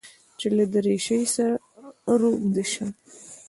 چې له دريشۍ سره روږدى سم.